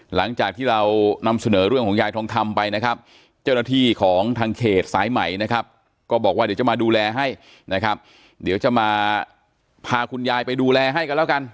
หลังจากที่เรานำเสนอเรื่องของยายทองคำไปนะครับเจ้าหน้าที่ของทางเขตสายใหม่นะครับก็บอกว่าเดี๋ยวจะมาดูแลให้นะครับเดี๋ยวจะมาพาคุณยายไปดูแลให้กันแล้วกัน